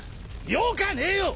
よかねえよ！